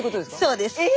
そうです。え！